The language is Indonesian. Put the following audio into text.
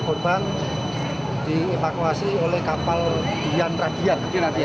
dua belas korban dievakuasi oleh kapal dian radian